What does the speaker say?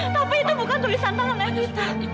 tapi itu bukan tulisan tangan evita